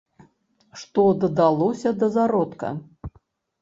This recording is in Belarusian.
Што дадалося да зародка?